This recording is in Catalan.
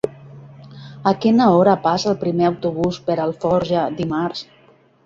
A quina hora passa el primer autobús per Alforja dimarts?